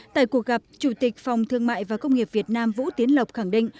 tại cuộc gặp chủ tịch phòng thương mại và công nghiệp việt nam vũ tiến lộc khẳng định